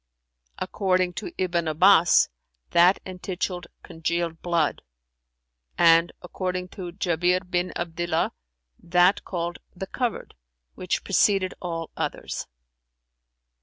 "According to Ibn Abbas, that entituled 'Congealed Blood':[FN#372] and, according to Jαbir bin Abdillah,[FN#373] that called 'The Covered' which preceded all others.